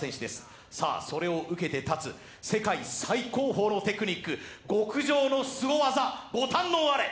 それを受けて立つ世界最高峰のテクニック、極上の凄技、ご堪能あれ。